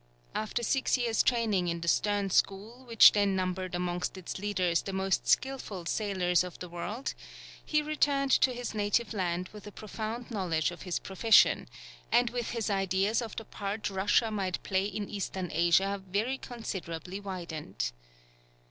After six years' training in the stern school which then numbered amongst its leaders the most skilful sailors of the world, he returned to his native land with a profound knowledge of his profession, and with his ideas of the part Russia might play in Eastern Asia very considerably widened.